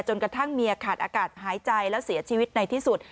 กระทั่งเมียขาดอากาศหายใจแล้วเสียชีวิตในที่สุด